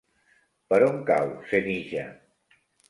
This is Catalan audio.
Per on cau Senija?